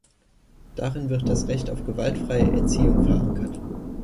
Darin wird das Recht auf gewaltfreie Erziehung verankert.